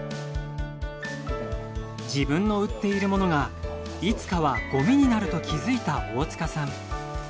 自分の売っているものがいつかはごみになると気づいた大束さん。